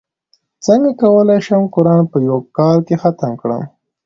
څنګه کولی شم قران په یوه کال کې ختم کړم